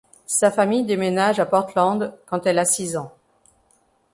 Sa famille déménage à Portland quand elle a six ans.